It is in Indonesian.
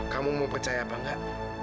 kamu mau percaya apa enggak